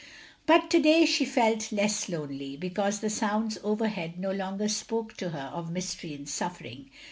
But to day she felt less lonely, because the sounds overhead no longer spoke to her of mystery and suffering.